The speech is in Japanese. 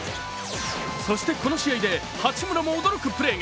そしてこの試合で八村も驚くプレーが。